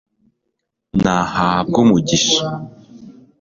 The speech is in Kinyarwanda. nahabwe umugisha